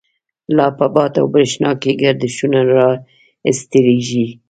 لا په باد او برَښنا کی، گردشونه را رستیږی